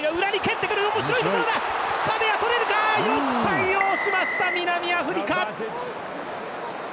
よく対応しました南アフリカ。